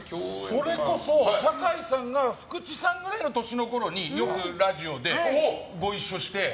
それこそ坂井さんが福地さんくらいの年のころによくラジオでご一緒して。